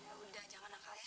suaranya juga bagus